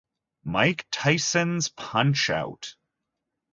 In Mike Tyson's Punch-Out!!